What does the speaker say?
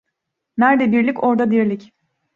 Nerede birlik, orada dirlik.